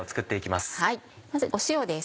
まず塩です。